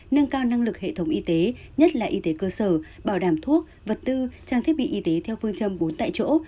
nâng cao năng lực hệ thống y tế nhất là y tế cơ sở bảo đảm thuốc vật tư trang thiết bị y tế theo phương châm bốn tại chỗ